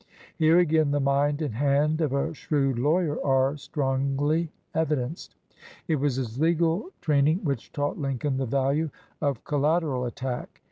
Here again the mind and hand of a shrewd lawyer are strongly evidenced. It was his legal train 155 LINCOLN THE LAWYER ing which taught Lincoln the value of col lateral attack.